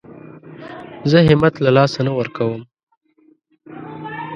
زه همت له لاسه نه ورکوم.